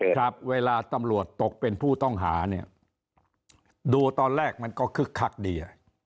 ครับเวลาตำรวจตกเป็นผู้ต้องหาเนี่ยดูตอนแรกมันก็คึกคักดี